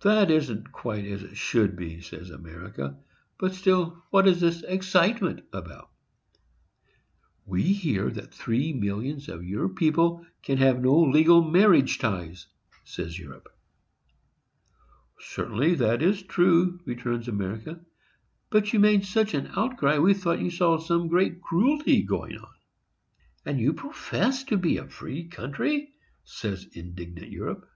"That isn't quite as it should be," says America; "but still what is this excitement about?" "We hear that three millions of your people can have no legal marriage ties," says Europe. "Certainly that is true," returns America; "but you made such an outcry, we thought you saw some great cruelty going on." "And you profess to be a free country!" says indignant Europe.